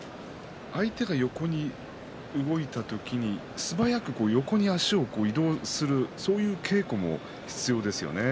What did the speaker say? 相手が横に動いた時に素早く横に足を移動するそういう稽古も必要ですよね。